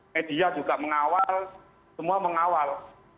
media juga mengawal semua mengawal